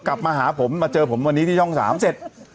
กลับมาหาผมมาเจอผมวันนี้ที่ช่อง๓เสร็จ